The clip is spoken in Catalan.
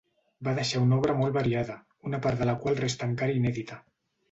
Va deixar una obra molt variada una part de la qual resta encara inèdita.